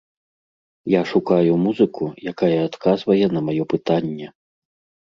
Я шукаю музыку, якая адказвае на маё пытанне.